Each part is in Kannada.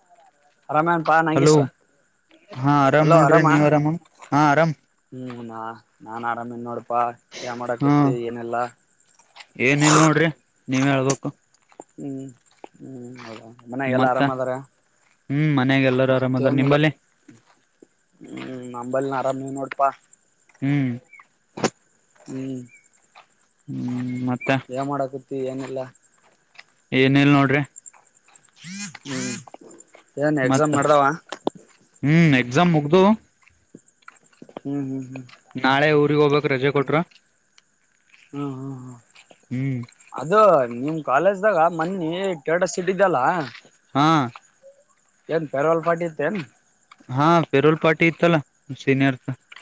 [inaudible] ಆರಾಮನ್ಪಾ ಹಲೋ ನಂಗೀಸ ಹಾ ಆರಾಮ್ ಅಲೋ ನೋಡ್ರಿ ಆರಾಮ ನೀವ್ ಹಾ ಆರಾಮ್ ಹ್ಮ್ ನಾ ನಾನನ್ ಆರಾಮೇನ್ ನೋಡ್ಪಾ ಯ ಹಾ ಮಾಡಕತ್ತ ಏನೆಲ್ಲಾ ಏನಿಲ್ ನೋಡ್ರಿ ನೀವ್ ಹೇಳ್ಬೇಕು. ಹ್ಮ್ ಹ್ಮ್ ಹೌದ. ಮನಾಗಲ್ಲ ಮತ್ತ ಆರಾಮದಾರ ಹ್ಮ್ ಮನ್ಯಾಗ ಎಲ್ಲಾರು ಆರಾಮದಾರ ಮತ್ತೇನಲ್ಲ ನಿಂಬಲ್ಲಿ ಹ್ಮ್ ನಂಬಲ್ಲಿ ಆರಾಮ್ ನೀ ನೋಡಿ ಪ್ಪ ಹ್ಮ್. ಹ್ಮ್. ಹ್ಮ್ ಮತ್ತ ಏನ್ ಮಾಡಕತ್ತಿ. ಎನ್ ಇಲ್ಲ. ಏನಿಲ್ ನೋಡ್ರಿ ಹ್ಮ್ ಹ್ಮ್ ಏನ್ ಮತ್ತ ಎಕ್ಸಾಮ್ ಮಾಡದಾವ ಹ್ಮ್ ಎಕ್ಸಾಮ್ ಮುಗ್ದು ಹ್ಮ್ ಹ್ಮ್ ಹ್ಮ್. ನಾಳೆ ಊರಿಗ್ ಹೋಗ್ಬೇಕ್ ರಜೆ ಕೊಟ್ರ ಹ್ಮ್ ಹ್ಮ್ ಹ್ಮ್ ಹ್ಮ್ ಅದು ನಿಮ್ ಕಾಲೇಜ್ದಾಗ ಮನ್ನಿ ಟೇಟ ಸಿಟ್ಟಿದ್ದಲ್ಲ. ಹಾ. ಏನ್ ಪೆರವಾಲ್ ಪಾರ್ಟಿ ಇತ್ತ ಏನ್ ಹಾ ಪೆರೋಲ್ ಪಾರ್ಟಿ ಇತ್ತಲ್ಲ ಸೀನಿಯರ್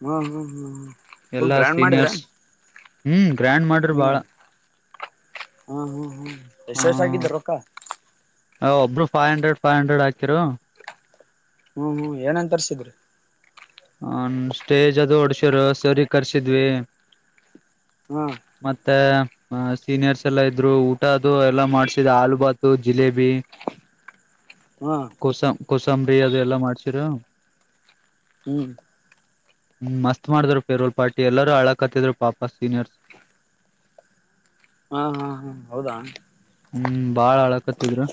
ಹ್ಮ್ ಹ್ಮ್ ಹ್ಮ್ ಹ್ಮ ಫುಲ್ ಎಲ್ಲಾ ಗ್ರ್ಯಾಂಡ್ ಮಾಡಿದ್ರ ಸೀನಿಯರ್ಸ್ ಹ್ಮ್. ಗ್ರ್ಯಾಂಡ್ ಮಾಡ್ರಿ ಬಾಳ ಹ್ಮ್ ಹ್ಮ ಹ್ಮ ಹ್ಮ್ ಎಷ್ಟ ಎಷ್ಟ್ ಆಗಿದವ ರೊಕ್ಕ ಒಬ್ರು ಫೈ ಹಂಡ್ರೆಡ್ ಫೈವ್ ಹಂಡ್ರೆಡ್ ಹಾಕಿರು. ಹ್ಮ್ ಹ್ಮ್ ಏನ ತರ್ರ್ಸಿದ್ರಿ. ಹನ್ ಸ್ಟೇಜ್ ಅದು ಹೊಡ್ಸ್ಯರ ಸರಿಗ್ ಕರ್ಸಿದ್ವಿ. ಹಾ ಮತ್ತೆ. ಹ ಸೀನಿಯರ್ಸ್ ಎಲ್ಲ ಇದ್ರು ಊಟ ಅದು ಎಲ್ಲ ಮಾಡ್ಸಿದ ಆಲು ಭಾತು ಜಿಲೇಬಿ ಹಾ ಕುಸಂ ಕೋಸಂಬರಿ ಅದೆ ಎಲ್ಲ ಮಾಡ್ಸಿರ ಹ್ಮ್. ಹ್ಮ ಮಸ್ತ್ ಮಾಡಿದ್ರು ಪೆರೋಲ್ ಪಾರ್ಟಿ ಎಲ್ಲರೂ ಅಳ ಕತ್ತಿದ್ರು ಪಾಪ ಸೀನಿಯರ್ಸ್ ಹಾ ಹಾ ಹಾ ಹೌದಾ. ಹ್ಮ್ ಬಾಳ ಅಳಕತ್ತಿದ್ರು.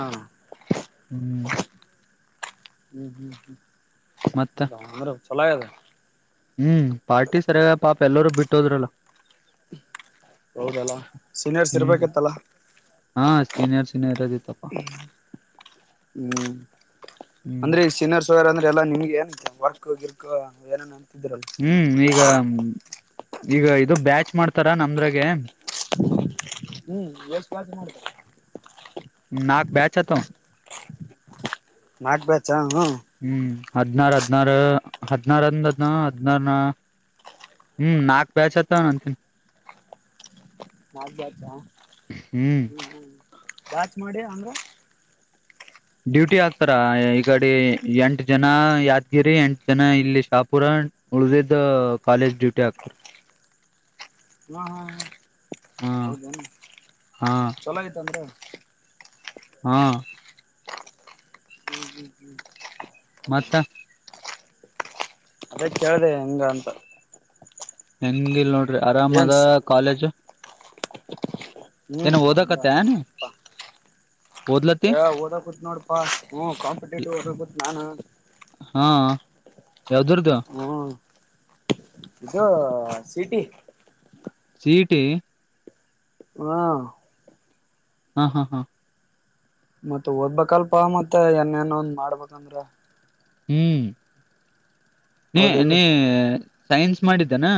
ಹಾ. ಹ್ಮ್. ಮತ್ತ ಅದರ ಹಲೋ ಚಲೋ ಆಗ್ಯಾದೆ ಹ್ಮ್ ಪಾರ್ಟಿ ಸರಿಯ ಪಾಪ ಎಲ್ಲರೂ ಬಿಟ್ಟೋದ್ರಲ್ಲ ಹೌದಲಾ ಸೀನಿಯರ್ಸ್ ಇರ್ಬೇಕಿತ್ತಲ್ಲ ಸೀನಿಯರ್ಸ್ ಇನ್ನು ಇರೋದಿತಪ್ಪ. ಹ್ಮ್ ಅಂದ್ರೆ ಈ ಸೀನಿಯರ್ಸ್ ಅವ್ರ್ ಅಂದ್ರೆ ಎಲ್ಲಾ ನಿಮಗೆ ಏನ್ ವರ್ಕು ಗಿರ್ಕು ಆ ಏನೇನ ಹ್ಮ್ ಈಗಾ ಹ್ಮ್ ಈಗ ಇದು ಬ್ಯಾಚ್ ಮಾಡ್ತರ ನಮ್ದ್ರಗೆ ಹ್ಮ್ ಎಸ್ಟ್ ಬ್ಯಾಚ್ ಮಾಡಿದ್ದೆ ನಾಕ್ ಬ್ಯಾಚ್ ಅತಾವ್- ನಾಕ್ ಬ್ಯಾಚ್ ಹಾ ಹು ಹದ್ನಾರ್ ಹದ್ನಾರೂ ಹದ್ನಾರೊಂದ್ ಹದ್ನಾರ್ ಹದ್ನಾರ್ ನಾ ಹ್ಮ್ ನಾಕ್ ಬ್ಯಾಚ್ ಅತ್ತ ನಾಕ್ ಬ್ಯಾಚಾ ಹ್ಮ್ ಹ್ಮ್ ಬ್ಯಾಚ್ ಮಾಡಿ ಅಂದ್ರ ಡ್ಯೂಟಿ ಹಾಕ್ತರಾ ಆ ಎ ಈಗಡೀ ಎಂಟ್ ಜನ ಯಾದಗಿರಿ ಎಂಟ್ ಜನ ಇಲ್ಲಿ ಶಾಪುರಣ್ ಉಳ್ದಿದ್ದು ಕಾಲೇಜ್ ಡ್ಯೂಟಿ ಹಾಕ್ತರ್ ಹಾ ಹಾ ಹೌದ ಹಾ ಚಲೋ ಇತ್ ಅಂದ್ರೆ [inaudible] ಹಾ. ಹ್ಮ್ ಹ್ಮ್ ಹ್ಮ್ ಹೌದಾ ಮತ್ತ ಅದೇ ಕೇಳ್ದೆ ಹೆಂಗ್ ಅಂತ. ಹೆಂಗಿಲ್ ನೋಡ್ ದೆ ಆರಾಮದಾ ಏನ್ಸ್ ಕಾಲೇಜು. ಹ್ಮ್ ಏನ ಮೊದ್ಲು ಓದಕತ್ತನ್ ಆರಾಮಪ್ಪ ಓದ್ಲತಿ ಏ ಓದಕುತ್ ನೋಡ್ಪಾ ಹ್ಮ ಕಾಂಪಿಟೇಟಿವ್ [unintelligible] ನಾನು ಹಾ ಯಾವ್ದ್ರದು ಹೂ ಇದೂ ಸಿಟಿ ಸೀಟಿ ಹಾ ಹಾ ಹಾ ಹಾ ಮತ್ತವ್ ಓದ್ಬೇಕಲ್ಪಾ ಮತ್ತೆ ಏನೇನೋ ಒಂದ್ ಮಾಡ್ಬೇಕಂ ಹ್ಮ್ ನೀ ಹೌದಿಲ್ಲ ನೀ ಸೈನ್ಸ್ ಮಾಡಿದನಾ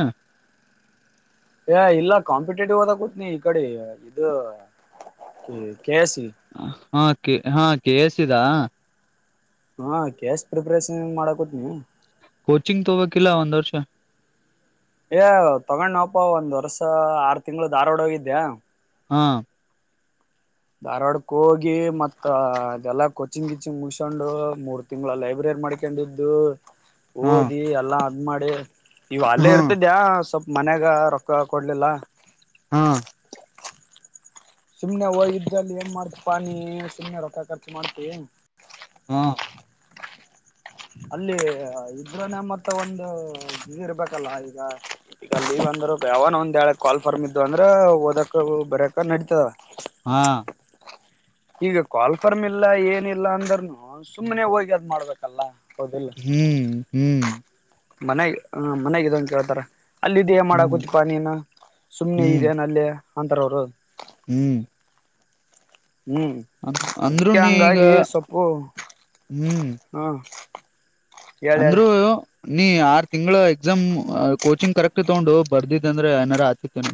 ಏ ಇಲ್ಲ ಕಾಂಪಿಟೇಟಿವ್ ಓದಕ್ ಕೂತ್ನಿ ಈಕಡೆ ಇದೂ ದೂ ಕೆಸಿ ಹಾ ಕೆ ಹಾ ಕೆ ಸ್ ಇ ದಾ ಹಾ ಕ್ಯಾಸ್ ಪ್ರಿಪರೇಷನ್ ಮಾಡಕ ಕೊತ್ನ ಕೊಚಿಂಗ್ ತೊಬೇಕಿಲ್ಲ ಒಂದು ವರ್ಷ್ ಏ ತಗೊಂಡ ನಪ ಒಂದ್ ವರ್ಷ ಆರು ತಿಂಗಳ ಧಾರ್ವಾಡ ಹೋಗಿದ್ದ್ಯಾ ಹಾ ಧಾರವಾಡಕ್ಕೆ ಹೋಗಿ ಮತ್ತ ಅದೆಲ್ಲಾ ಕೊಚಿಂಗ್ ಗಿಚಿಂಗ್ ಮುಗಸಕೊಂಡು ಮೂರ್ ತಿಂಗಗಳ ಲೈಬ್ರರಿ ಮಾಡ್ಕೊಂಡಿದ್ದು ಹಾ ಓದಿ ಎಲ್ಲಾ ಮಾಡಿ ಇಗೋ ಹಾ ಅಲ್ಲೇ ಇರ್ತಿದ್ಯಾ ಸ್ವಲ್ಪ ಮನ್ಯಾಗ ರೊಕ್ಕ ಕೊಡ್ಲಿಲ್ಲ ಹಾ ಸುಮ್ನೆ ಹ ಇದ್ರಲ್ಲಿ ಏನ್ ಮಾಡ್ತ ಪಾನಿ ಸುಮ್ಮನೆ ರೊತ ಖರ್ಚು ಮಾಡ್ತೀ ಹಾ ಅಲ್ಲಿ ಇದ್ರನೆ ಮತ್ತ ಒಂದು ಲೀವ್ ಇರ್ಬೇಕಲ್ಲ ಈಗ ಈಗ ಲೀವ್ ಅಂದ್ರ ಯಾವನ ಒಂದ ಹೇಳಳ ಕಾಲ್ ಫಾರಮ್ ಇದು ಅಂದ್ರೆ ಓದಕ ಬರಕ ನೆಟ್ [inaudible] [unintelligible] ಹಾ ಈಗ ಕಾಲ್ಫರ್ಮ್ ಇಲ್ಲ ಏನಿಲ್ಲ ಅಂದ್ರನು ಸುಮ್ಮ್ನೆ ಹೋಗಿ ಅದ್ ಮಾಡ್ಬೇಕಲ್ಲ ಹ್ಮ್ ಹ್ಮ್ ಮನೆಗ ಹ ಮನೆಗ್ ಇದನ್ ಕೇಳ್ತಾರ ಅಲ್ಲ ಇದ ಹ್ಮ್ ಮಾಡಾಕತಿ ಪಾನೀನ ಸುಮ್ನೆ ಹ್ಮ್ ಇದೆನಲ್ಲಿ ಅಂತರೋರು ಹ್ಮ್ ಹ್ಮ್ ಅಂ ಅಂದ್ರು ಅದಕ್ಕೆ ನೀ ಈಗ ಹಂಗಾಗಿ ಸೊಪ್ಪು ಹಾ ಹೇಳಿ ಹೇಳಿ ಅಂದ್ರರು ನೀ ಆರ್ ತಿಂಗಗಳ ಎಕ್ಸಾಮ್ ಕೋಚಿಂಗ್ ಕರೆಕ್ಟ್ ತಗೊಂಡು ಬರ್ದಿದ್ದ ಅಂದ್ರೆ ಏನಾರ ಆತಿತ್ತೇನಾ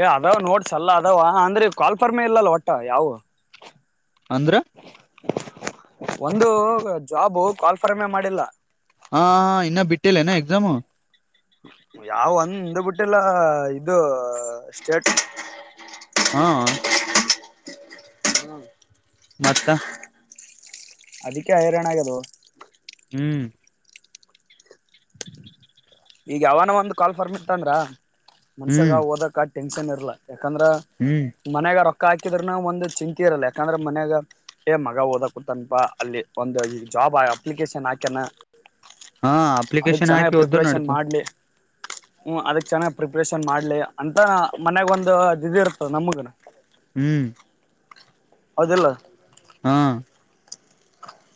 ಏ ಅದಾವ ನೋಡ್ಸಲ್ಲ ಅದಾವ ಅಂದ್ರೆ ಕಾಲ್ಪರ್ಮೆ ಇಲ್ಲಲ್ ಒಟ್ಟ ಯಾವು ಅಂದ್ರ ಒಂದು ಜಾಬು ಕಾಲ್ಫಾರಮೆ ಮಾಡಿಲ್ಲ ಹಾ ಇನ್ನ ಬಿಟ್ಟಿಲೇನಾ ಎಕ್ಸಾಮು ಯಾವ ಒಂದು ಬಿಟ್ಟೆಲ್ಲ ಇದು ಸ್ಟೇಟ್ ಹಾ ಮತ್ತ ಅದಕ್ಕೆ ಹೈರಾಣ ಆಗ್ಯಾದು ಹ್ಮ್ ಈಗ ಯಾವನ ಒಂದು ಕಾಲ್ ಫಾರ್ಮ್ ಇತ್ತಂದ್ರ ಮನ್ಷ್ಯಾಗ ಹ್ಮ್ ಹೋದಾಕ ಟೆನ್ಷನ್ ಇರ್ಲ ಯಾಕಂದ್ರ ಹ್ಮ್ ಮನ್ಯಾಗ ರಕ್ ಅಕ್ಕ ಹಾಕಿದ್ರನ ಒಂದು ಚಿಂಂತಿ ಇರಲ್ಲ ಯಾಕಂದ್ರೆ ಮನ್ಯಾಗ ಏ ಮಗ ಓದಕತ್ತನ್ಪಾ ಅಲ್ಲಿ ಒಂದು ಈ ಜಾಬ್ ಅಪ್ಲಿಕೇಶನ್ ಹಾಕ್ಯನ ಹಾ ಅಪ್ಲಿಕೇಶನ್ ಹಾಕಿ ಒದು ಪ್ರೇಷನ್ ಮಾಡಲಿ ಹ್ಮ ಅದಕ್ ಚೆನ್ನಾಗ್ ಪ್ರಿಪರೇಷನ್ ಮಾಡ್ಲಿ ಅಂತ ಮನ್ಯಾಗ ಒಂದು ಅದು ಇದು ಇರ್ತದ ನಮಗನ ಹ್ಮ್ ಹೌದಿಲ್ಲ ಹ್ಮ್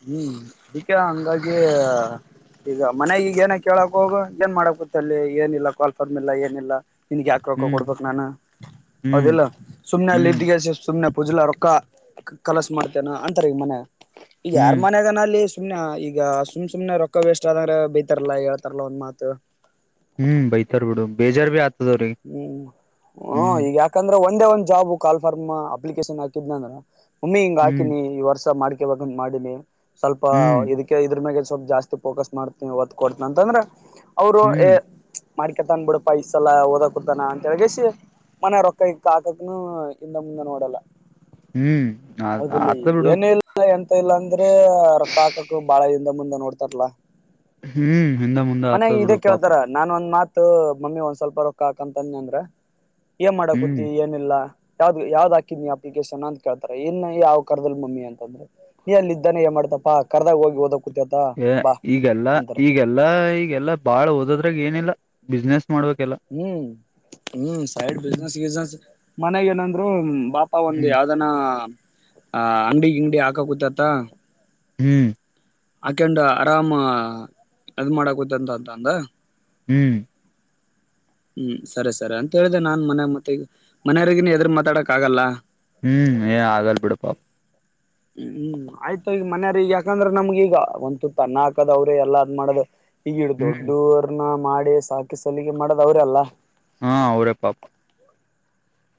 ಹ್ಮ್ ಇದಿಕ ಹಂಗಾಗಿ ಈಗ ಮನೆಗ ಈಗ ಏನ ಕೇಳಕ್ ಹೋಗ ಏನ್ ಮಾಡಕ್ ಗತ್ತ ಅಲ್ಲಿ ಏನಿಲ್ಲ ಕಾಲ್ ಫಾರಮ್ ಇಲ್ಲ ಏನಿಲ್ಲ ನಿನ್ಗ್ ಯಾಕ ರಕ್ಕ ಹ್ಮ್ ಕೊಡ್ಬೇಕು ನಾನು ಹ್ಮ್ ಹೌದಿಲ್ಲ ಸುಮ್ನೆ ಹ್ಮ್ ಅಲ್ಲಿ ಸುಮ್ನೆ ಹುಜಲ ರೊಕ್ಕ ಕಲಸ ಮಾಡ್ತೇನ ಅಂತರಿ ಈಗ ಮನೆ ಈ ಯಾರ ಹ್ಮ್ ಮನೆಗನ ಆಲಿ ಸುಮ್ನೆ ಈಗ ಸುಮ್ ಸುಮನೆ ರೊಕ್ಕ ವೇಸ್ಟ್ ಆದಂದ್ರೆ ಬೈತಾರಲ್ಲಾ ಹೇಳ್ತಾರಲ್ಲ ಒಂದ್ ಮಾತ್ ಹ್ಮ್ ಬೈತಾರ ಬಿಡು ಬೇಜಾರ ಬಿ ಆತ ಹ್ಮ್ ಹ್ಮ ಈಗ ಯಾಕಂದ್ರೆ ಒ ಒಂದೆ ಒಂದ್ ಕಾಲ್ ಜಾಬ ಫಾರ್ಮ್ ಅಪ್ಲಿಕೇಶನ್ ಹಾಕಿದ್ನಂದ್ರ ಒಮ್ಮಿ ಹಿಂಗ ಹ್ಮ್ ಹಾಕಿನಿ ಈ ವರ್ಷ ಮಾಡಿ ಮಾಡಿನಿ ಸ್ವಲ್ಪ ಹ್ಮ್ ಇದಕ್ಕೆ ಇದ್ರ ಮ್ಯಾಗ ಸ್ವಲ್ಪ್ ಜಾಸ್ತಿ ಫೋಕಸ್ ಮಾಡ್ತನಿ ಒದ್ ಕೊಡ್ತನ ಅಂದ್ರ ಅವರು ಹ್ಮ್ ಮಡಿಕ್ಯಾತನ ಬಿಡಪಾ ಈ ಸಲ ಹ ಓದ ಕುತ್ತಾನ ಅಂತ ಹೇಳಿಗೆಶಿ ಮನೆಯ ರೊಕ್ಕಾ ಗಿಕ್ಕ ಹಾಕಕನು ಇಂದ ಮುಂದ ನೋಡಲ್ಲ ಹ್ಮ್ ಹೌದಲ್ಲಿ ಆತದ ಬಿಡು ಏನ ಇಲ್ಲ ಎಂತ ಇಲ್ಲ ಅಂದ್ರೆ ರೊಕ್ಕ ಹಾಕಕ್ಕ ಬಾಳ ಇ ಹಿಂದ ಮುಂದ ನೋಡ್ತಾರಲಾ ಹ್ಮ್ ಹಿಂದೆ ಮುಂದೆ ಹತ್ತದ್ ಇದೇ ಬಿಡು ಪಾಪ ಕೇಳ್ತಾರ ನಾನ್ ಒಂದ್ ಮಾತು ಮಮ್ಮಿ ಒಂದ್ ಸ್ವಲ್ಪ ರ ಕಾಕಂತನ್ ಅಂದ್ರ ಏನ್ ಮಾಡಕೊತಿ ಹ್ಮ್ ಏನಿಲ್ಲಾ ಯಾವ್ದ್ ಯಾವ್ದ್ ಹಾಕಿದ್ ನೀ ಅಪ್ಲಿಕೇಶನ್ ಅಂತ ಕೇಳ್ತಾರೆ ಇನ್ನು ಯಾವ್ ಕರ್ದಲ್ ಮಮ್ಮಿ ಅಂತಂದ್ರೆ ಅಲ್ಲಿ ಇದ್ದಾನೆ ಏ ಮಾಡ್ತಪ್ಪಾ ಕರ್ದಾಗ ಹೋಗಿ ಓದ ಈಗೆಲ್ಲ ಈಗೆಲ್ಲಾ ಈಗೆಲ್ಲಾ ಬಾಳ್ ಓದದ್ರಾಗ ಏನಿಲ್ಲ ಬಿಿಸ್ನೆಸ್ ಹ್ಮ್ ಹ್ಮ್ ಸೈಡ್ ಹ್ಮ್ ಬಿಜ್ನೆಸ್ನೆಸ್ ಮನೆಗ ಏನಂದ್ರು ಪಾಪ ಒಂದು ಯಾವ್ದನ ಹ ಅಂಗಡಿ ಗಿಂಗಡಿ ಹಾಕ ಕೂತತ್ತ ಹ್ಮ್ ಹಾಕಂಡ ಆರಾಮ ಅದ್ ಮಾಡಕೂತ್ತಂತ ಅಂತ ಅಂದ ಹ್ಮ್ ಹ್ಮ್ ಸರಿ ಸರಿ ಅಂತ ಹೇಳಿದ್ರೆ ನಾನ್ ಮನ ಮತ್ತಗ ಮನೆಯವರಿಗನ್ ಎದರು ಮಾತಾಡಕ್ ಆಗಲ್ಲ ಹ್ಮ್ ಏ ಆಗಲ್ ಬಿಡಪಾ ಹ್ಮ್ ಆಯ್ತು ಈಗ ಮನೆರು ಯಾರ ಈಗ ಯಾಕಂದ್ರೆ ನಮ್ಗ ಈಗ ಒಂದ್ ತುತ್ ಅನ್ನ ಹಾಕದ್ ಅವ್ರೇ ಎಲ್ಲ ಅದ್ ಮಾಡದ ಈಗಿಡ್ ಹ್ಮ್ ದೊಡ್ಡವರ್ನ್ನ ಮಾಡಿ ಅ ಸಾಕಿ ಸಲಿಗೆ ಮಾಡೋದ ಅವ್ರ ಅಲ್ಲ ಹಾ ಅವರೇ ಪಾಪ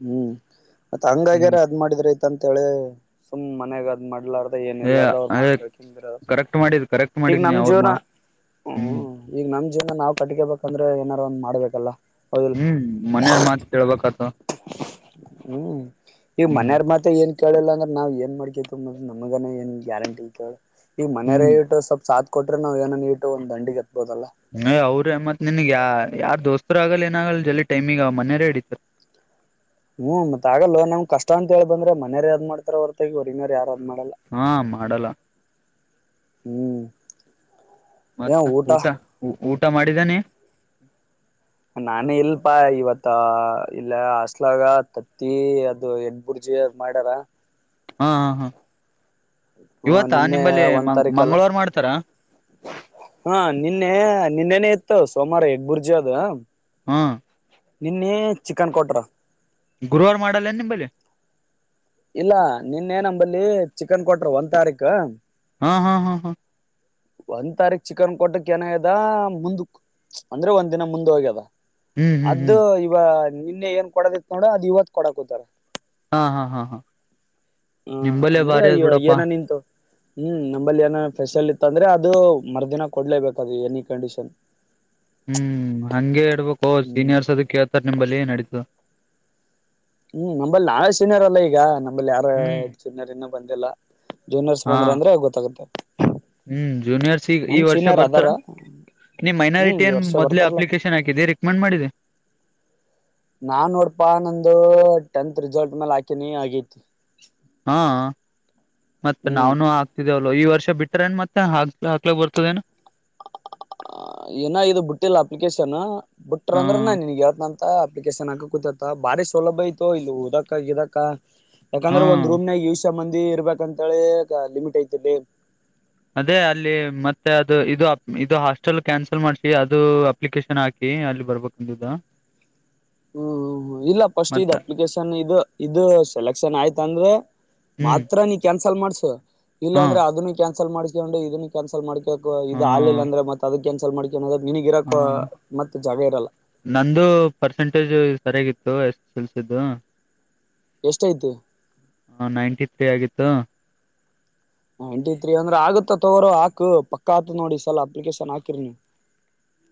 ಹ್ಮ್ ಮತ್ತ ಹಂಗ್ಯಾಗಾರ ಹ್ಮ್ ಅದ ಮಾಡಿದ್ರಿ ಅಂತ ಹೇಳಿ ಸುಮ್ ಮನೆಗ ಅದ್ ಮಾಡ್ಲಾರ ಏನ್ ಏ ಇರ್ಲಾರ್ದ ಅವ್ ಅದೇ ಮಾತ್ ಕೇಳ್ಕಳಿರ ಕರೆಕ್ಟ್ ಮಾಡಿದ್ ಕರೆಕ್ಟ್ ಈಗ ಮಾಡಿದ್ನಿ ನಮ್ ಅವ್ರ ಜೀವನ ಮಾ ಹ್ಮ್ ಹ್ಮ ಈ ನಮ ನ ನಾವು ಕಟ್ಟಕೇಬೇಕಂದ್ರೆ ಏನಾದಾರು ಒಂದ್ ಮಾಡ್ಬೇಕಲ್ಲ ಹೌದಿಲ್ ಹ್ಮ್ ಮನೆಯವರ್ ಮಾತ್ ಕೇಳ್ಬೇಕಾತ್ ನೋ ಹ್ಮ್ ಈಗ ಹ್ಮ್ ಮನೆಯಾರ್ ಮಾತ್ರ ಏನ್ ಕೇಳಿಲ್ಲ ಅಂದ್ರೆ ನಾವ್ ಏನ್ ಮಾಡ್ಕೈತ ನಮಗನ ಏನ್ ಗ್ಯಾರಂಟಿ ಕೇಳ ಈ ಮನೇರ ಹ್ಮ್ ಇಟ ಸ್ವಲ್ಪ ಸಾತ್ ಕೊಟ್ರೆ ನಾವು ಏನಾನ ಇಟ್ ಒಂದು ಅಂಡಿ ನೀ ಅವ್ರ ಮತ್ ನಿನ್ಗ್ಯಾ ಯಾರ್ ದೋಸ್ತರಾಗಲ್ಲ ಏನಾಗಲ್ಲ ಜಲ್ದಿ ಟೈಮಿಗೆ ಮನೇರೇ ಹಿಡಿತ ಹ್ಮ್ ಮತ್ ಆಗಲ್ಲೊ ನಮ್ ಕಷ್ಟ ಅಂತ ಹೇಳಿ ಬಂದ್ರೆ ಮನ್ಯಾರೆ ಅದ್ ಮಾಡತಾರ ಹೊರತಗ ಹೊರಿಗಯಾರ ಯಾರ ಮಾಡಲ್ಲ ಹಾ ಮಾಡಲ್ಲ ಹ್ಮ್ ಮತ್ತ ಊಟ ಊಟ ಮಾಡಿದಾನೆ ನಾನೇ ಇಲ್ಪಾ ಇವತ್ತ ಇಲ್ಲ ಹಾಸ್ಟೆಲ್ ದಾಗತತ್ತಿ ಅದು ಎಗ್ ಬುರ್ಜಿ ಮಾಡ್ಯಾರ ಹ್ಮ ಹಾ ಹಾ ಹ್ಮ ಇವತ್ತಾ ನಿನ್ನೆ ನಿಂಬಲ್ಲಿ ಒಂದ್ ಮಂಗ್ ತಾರೀಖಲ್ಲ ಮಂಗಳವಾರ ಮಾಡ್ತಾರ ಹಾ ನಿನ್ನೆ ನಿನ್ನೆನೆ ಇ ಸೋಮಾರ ಎಗ್ ಬುರ್ಜಿ ಅದ ಹ್ಮ್ ನಿನ್ನೆ ಚಿಕನ್ ಕೊಟ್ರ ಗುರುವಾರ ಮಾಡಲ್ಲೆನು ನಿಂಬಲ್ಲಿ ಇಲ್ಲ ನಿನ್ನೆ ನಂಬಲ್ಲಿ ಚಿಕನ್ ಕೊಟ್ರು ಒಂದ್ ತಾರೀಕ ಹಾ ಹಾ ಹಾ ಹಾ ಒಂದ್ ತಾರೀಕ್ ಚಿಕನ್ ಕೊಟ್ಟಕ್ಕೆ ಏನಾಗದ ಮುಂದ ಅಂದ್ರೆ ಒಂದ್ ದಿನ ಮುಂದ್ ಹೋಗ್ಯದ ಹ್ಮ್ ಹ್ಮ್ ಅದ್ದು ಹ್ಮ್ ಇವ ನಿನ್ನೆ ಏನ್ ಕೊಡೋದಿತ್ ನೋಡ ಅದು ಇವತ್ ಕೊಡಕೂತಾರ ಹಾ ಹಾ ಹಾ ಹ ನಿಂಬಲ್ಲೇ ಅಂದ್ರೆ ಬಾರಿ ಅದ್ ಅಯ್ಯ ಬಿಡಪ್ಪಾ ಏನನ್ನ ಇಂತವು ಹ್ಮ್ ನಮ್ಮಲ್ಲಿ ಏನ ಫೆಸಿಲಿ ಇತ್ತ ಅಂದ್ರೆ ಅದು ಮರುದಿನ ಕೊಡ್ಲೇಬೇಕದು ಎನಿ ಕಂಡೀಷನ್ ಹ್ಮ್ ಹಂಗೆ ಇರಬೇಕು ಹ್ಮ್ ಸೀನಿಯರ್ಸ್ ಅದ ಕೇಳ್ತಾರ್ ನಿಮ್ಂಬಲ್ಲಿ ಏ ನಡೀತು ಹ್ಮ್ ನಂಬಲ್ಲಿ ನಾವೇ ಸೀನಿಯರ್ ಅಲ್ಲ ಈಗ ಅಲ್ಲಿ ಯಾರ ಹ್ಮ್ [inaudible] ಬಂದಿಲ್ಲ ಜೂನಿಯರ್ಸ್ ಹಾ ಬಂದ್ರ ಅಂದ್ರೆ ಗೊತ್ತಾಗುತ್ತೆ ಹ್ಮ್ ಜೂನಿಯರ್ಸ್ ಈಗ ಈ ನಮ್ ವರ್ಷ ಸೀನಿಯರ್ ಅದಾರ ಬರ್ತಾರಾ ನೀ ಹ್ಮ್ ಮೈನಾರಿಟಿ ಈ ಏನ್ ವರ್ಷ ಮೊದಲೇ ಬರ್ತಾರಲ್ಲಾ ಅಪ್ಲಿಕೇಶನ್ ಹಾಕಿದ್ದಿ ರೆಕಮೆಂಡ್ ಮಾಡಿದ್ದಿ ನಾನ್ ನೋಡ್ಪಾ ನಂದು ಟೆಂತ್ ರಿಸಲ್ಟ್ ಮೇಲ್ ಹಾಕಿನಿ ಆಗೇತಿ ಹಾ ಮತ ಹ್ಮ್ ನಾವನು ಆಗ್ತ ಇದಲ್ಲ ಈ ವರ್ಷ ಬಿಟ್ಟಾರೇನ್ ಮತ್ತೆ ಹಾಕ್ ಹಾಕ್ಲಕ್ ಬರ್ತದೇಏನು ಹ ಏನ ಇ ಬಿಟ್ಟಿಲ್ಲ ಅಪ್ಲಿಕೇಶನ್ ಬಿಟ್ಟ್ರ ಹಾ ಅಂದ್ರ ನಾ ನಿನಗೆ ಹೇಳುತ್ತೇನೆ ಅಂತ ಅಪ್ಲಿಕೇಶನ್ ಹಾಕ ಕುತ್ಯಂತ ಬಾರಿ ಸೌಲಭ್ಯ ಐತೋ ಇಲ್ಲಿ ಉದಕ ಇದದಕ್ಕ ಯಾಕಂದ್ರೆ ಹಾ ಒಂದಂದು ರೂಮ್ ನಾಗ ಯೂಸ್ ಮಂದಿ ಇರ್ಬೇಕಂತಳೆ ಲಿಮಿಟ್ ಐತದೆ ಅದೇ ಅಲ್ಲಿ ಮತ್ತೆ ಅದು ಇದು ಇದು ಹಾಸ್ಟೆಲ್ ಕ್ಯಾನ್ಸಲ್ ಮಾಡಸಿ ಅದು ಅಪ್ಲಿಕೇಶನ್ ಹಾಕಿ ಅಲ್ಲಿ ಬರ್ಬೇಕಂದ ಹ್ಮ್ ಇಲ್ಲ ಪಸ್ಟ್ ಇ ಅಪ್ಲಿಕೇಶನ್ ಇದು ಇದು ಸೆಲೆಕ್ಷನ್ ಆಯ್ತ ಅಂದ್ರೆ ಹ್ಮ್ ಮಾತ್ರ ನೀ ಕ್ಯಾನ್ಸಲ್ ಮಾಡ್ಸ ಹ ಇಲ್ಲ ಹಾ ಅಂದ್ರೆ ಅದುನ ಕ್ಯಾನ್ಸಲ್ ಮಾಡಿಕೊಂಡೆ ಇದನ್ನ ಕ್ಯಾನ್ಸಲ್ ಮಾಡಿ ಹ ಇದು ಹಾಲಿಲ್ಲ ಅಂದ್ರೆ ಮತ್ತತ್ ಅದಕ್ಕೆ ಕನ್ಸಲ್ ಮಾಡಿ ನದಾಗ ಹ ನಿನಗಿರಕ್ಕ ಮತ್ತ ಜಾಗ ಇರಲ್ಲ ಟೇಜು ಸರಿಯಾಗಿತ್ತು ಎಸ್ ಎಸ್ ಎಲ್ ಸಿ ದ್ ಎಷ್ಟೈತಿ ಹ ನೈಂಟಿ ತ್ರಿ ಆಗಿತ್ತು ನೈಂಟಿ ತ್ರೀ ಅಂದ್ರೆ ಆಗುತ್ತ ತಗೋ ಹಾಕು ಪಕ್ಕ ಆತ ನೋಡಿ ಸಲ ಅಪ್ಲಿಕೇಶನ್ ಹಾಕಿರ ನೀ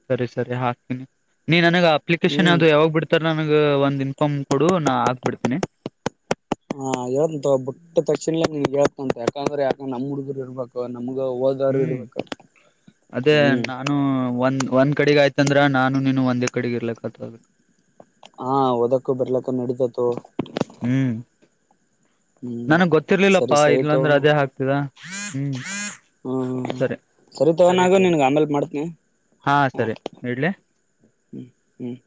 ಸರಿ ಸರಿ ಹಾಕ್ತೀನಿ ನೀ ನನಗ ಅಪ್ಲಿಕೇಶನ್ ಹ್ಮ್ ಯಾವ್ದದು ಯಾವಾಗ್ ಬಿಡ್ತಾರ ನನಗ ಒಂದಿನ ಪ್ಪಂ ಕೊಡು ನಾ ಹಾಕ್ಬಿಡ್ತೇನೆ ಹಾ ಯಂತ ಬುಟ್ಟ ತಕ್ಷಣ ನೀಗೆ ಹೇಳ್ತ ಅಂತ ಯಾಕಂದ್ರೆ ಯಾಕ ನಮ್ಮ ಹುಡುಗರು ಇರ್ಬೇಕ ಹ್ಮ್ ಅದೇ ಹ್ಮ್ ನಾನು ಒಂದ್ ಒಂದ್ ಕಡೆಗ್ ಆಯ್ತಂದ್ರ ನಾನು ನೀನು ಒಂದೇ ಕಡೆಗ್ ಇರ್ಲಕ್ಕ ಆತದ್ ಹಾ ಓದಕ್ ಬರ್ಲಕ್ ನಡೀತೈತಿ ತೊ ಹ್ಮ್ ಹ್ಮ್ ನನಗ್ ಸರಿ ಗೊತ್ತಿರ್ಲಿಲ್ಲಪ್ಪಾ ಸರಿ ತಗೋ ಇಲ್ಲಾಂದ್ರೆ ಹ್ಮ್ ಅದೇ ಹಾಕ್ತಿದ ಹ್ಮ್ ಹ್ಮ್ ಹ್ಮ್ ಸರಿ ತಗೋ ಸರಿ ನಾಗು ಸರಿ ನಿನ್ಗ ಆಮೇಲ್ ಮಾಡ್ತನಿ ಹಾ ಸರಿ ಇಡ್ಲಿ ಹ್ಮ್